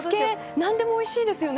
何でもおいしいですよね